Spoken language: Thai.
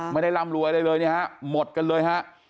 ร่ำรวยอะไรเลยเนี่ยฮะหมดกันเลยฮะ